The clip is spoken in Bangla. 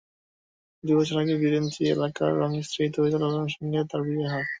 দুই বছর আগে বিরিঞ্চি এলাকার রংমিস্ত্রি তৌহিদুল আলমের সঙ্গে তাঁর বিয়ে হয়।